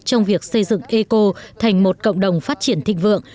trong việc xây dựng eco thành một cộng đồng phát triển thịnh vượng